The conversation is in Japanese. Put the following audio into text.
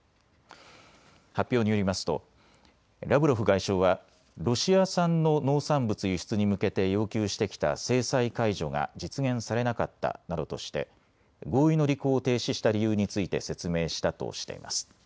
発表によりますとラブロフ外相はロシア産の農産物輸出に向けて要求してきた制裁解除が実現されなかったなどとして合意の履行を停止した理由について説明したとしています。